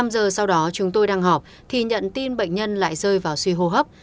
năm giờ sau đó chúng tôi đang họp thì nhận tin bệnh nhân lại rơi vào suy hô hấp